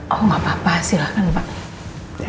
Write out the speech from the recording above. oh nggak apa apa silahkan pak